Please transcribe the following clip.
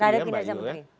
terhadap kinerja menteri